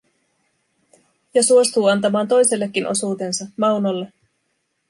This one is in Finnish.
Ja suostuu antamaan toisellekin osuutensa, Maunolle.